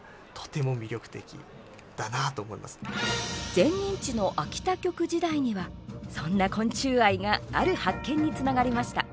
前任地の秋田局時代にはそんな昆虫愛がある発見につながりました。